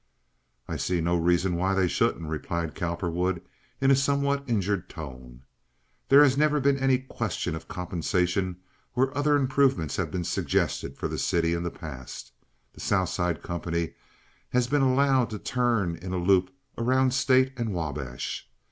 "I see no reason why they shouldn't," replied Cowperwood, in a somewhat injured tone. "There has never been any question of compensation where other improvements have been suggested for the city in the past. The South Side company has been allowed to turn in a loop around State and Wabash.